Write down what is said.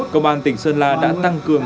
công an tỉnh sơn la đã tăng cường